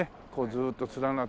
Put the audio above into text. ずーっと連なって。